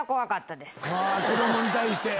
子供に対して。